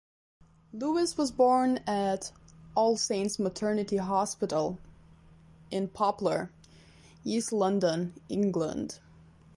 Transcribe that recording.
Lewis was born at All Saints Maternity Hospital in Poplar, East London, England.